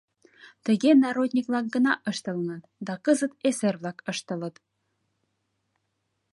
— Тыге народник-влак гына ыштылыныт, да кызыт эсер-влак ыштылыт.